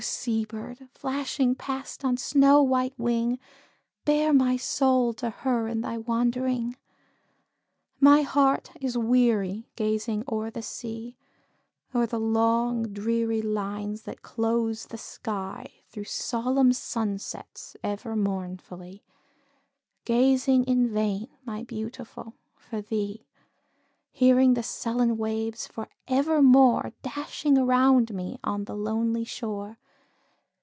sea bird, flashing past on snow white wing, Bear my soul to her in thy wandering. My heart is weary gazing o'er the sea; O'er the long dreary lines that close the sky; Through solemn sun sets ever mournfully, Gazing in vain, my Beautiful, for thee; Hearing the sullen waves for evermore Dashing around me on the lonely shore.